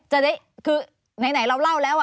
จะได้คือไหนเราเล่าแล้ว